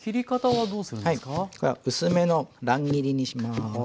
はいこれは薄めの乱切りにします。